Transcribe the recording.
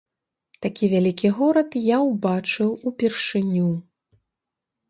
Такі вялікі горад я ўбачыў упершыню.